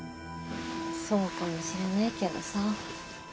そうかもしれないけどさ。